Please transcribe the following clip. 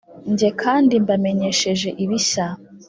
jye kandi mbamenyesheje ibishya,